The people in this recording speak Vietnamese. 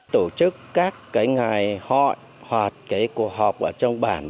tổ chức các ngày họ hoặc cuộc họp ở trong bản